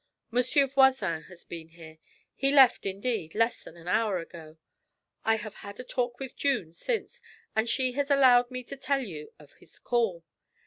Monsieur Voisin has been here. He left, indeed, less than an hour ago. I have had a talk with June since, and she has allowed me to tell you of his call.